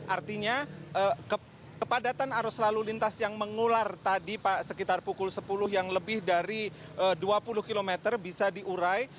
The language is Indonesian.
artinya kepadatan arus lalu lintas yang mengular tadi pak sekitar pukul sepuluh yang lebih dari dua puluh km bisa diurai